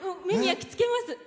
目に焼き付けます。